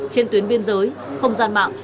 trên tuyến biên giới không gian mạng